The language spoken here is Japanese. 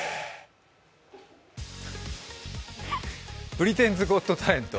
「ブリテンズ・ゴット・タレント」